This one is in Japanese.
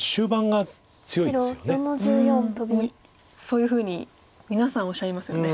そういうふうに皆さんおっしゃいますよね。